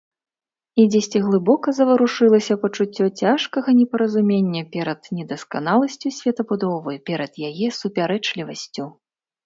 І дзесьці глыбока заварушылася пачуццё цяжкага непаразумення перад недасканаласцю светабудовы, перад яе супярэчлівасцю.